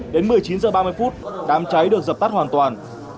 đến một mươi chín h ba mươi đám cháy được dập tắt hoàn toàn